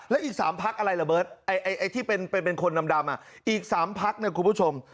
แล้วอีก๓พักอะไรระเบิดที่เป็นคนดำอีก๓พักเนี่ยคุณผู้ชม